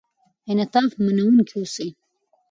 انعطاف منونکي اوسئ.